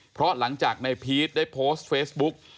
เพราะหลังจากในพีชได้โพสต์เฟซบุ๊ก